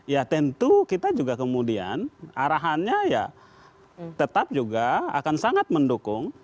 ya tentu kita juga kemudian arahannya ya tetap juga akan sangat mendukung